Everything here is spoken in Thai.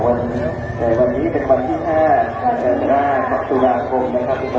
วันนี้เป็นวันที่๕แม่งหน้าภาพสุราคมนะครับ